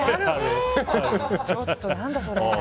ちょっと、何だそれ。